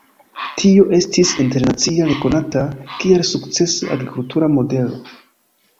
Tio estis internacia rekonata, kiel sukcesa agrikultura modelo.